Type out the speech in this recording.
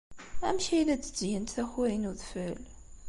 Amek ay la d-ttgent takurin n udfel?